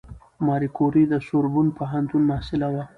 ماري کوري د سوربون پوهنتون محصله وه.